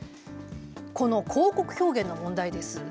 この広告表現の問題です。